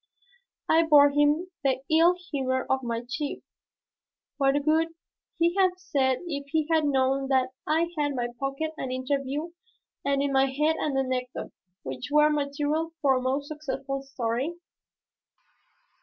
I bore with the ill humor of my chief. What would he have said if he had known that I had in my pocket an interview and in my head an anecdote which were material for a most successful story?